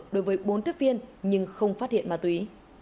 đối với bốn tiếp viên nhưng không phát hiện ma túy